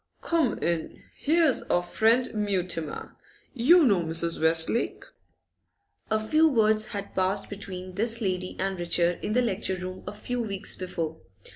'Come in! Here's our friend Mutimer. You know Mrs. Westlake?' A few words had passed between this lady and Richard in the lecture room a few weeks before.